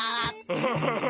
アハハハ！